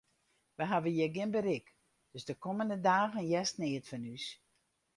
Wy hawwe hjir gjin berik, dus de kommende dagen hearst neat fan ús.